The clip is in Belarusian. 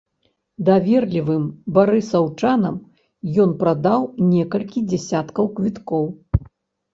Даверлівым барысаўчанам ён прадаў некалькі дзясяткаў квіткоў.